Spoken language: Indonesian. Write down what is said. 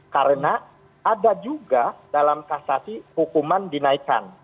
karena ada juga dalam kasasi hukuman dinaikkan